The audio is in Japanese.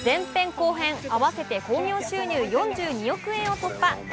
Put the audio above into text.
後編合わせて興行収入４２億円を突破。